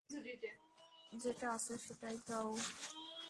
যেটা আছে সেটাই দাও।